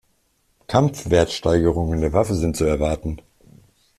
Kampfwertsteigerungen der Waffe sind zu erwarten.